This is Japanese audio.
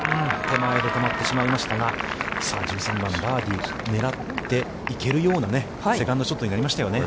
手前で止まってしまいましたが、１３番、バーディーを狙っていけるような、セカンドショットになりましたよね。